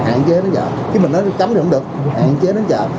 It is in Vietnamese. hạn chế đến chợ khi mình nói được cấm thì không được hạn chế đến chợ